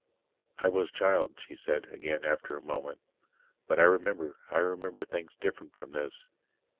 "I was child," she said again after a moment. "But I remember I remember things different from this.